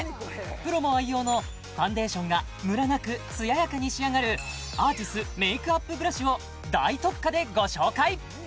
プロも愛用のファンデーションがムラなく艶やかに仕上がるアーティスメイクアップブラシを大特価でご紹介！